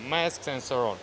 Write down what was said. mask dan sebagainya